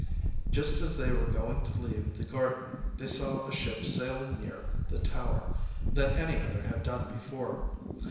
Just as they were going to leave the garden they saw a ship sailing nearer the tower than any other had done before.